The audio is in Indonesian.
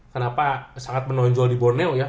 kenapa sangat menonjol di borneo ya